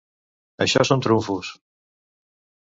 Això són trumfos!